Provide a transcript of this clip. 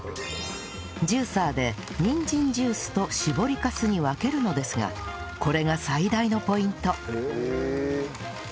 ジューサーでにんじんジュースと搾りかすに分けるのですがこれが最大のポイント